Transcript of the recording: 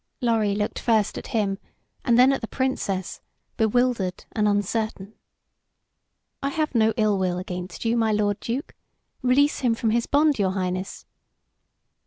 Lorry looked first at him and then at the Princess, bewildered and uncertain. "I have no ill will against you, my Lord Duke. Release him from his bond your Highness."